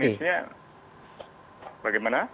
jadi ironisnya bagaimana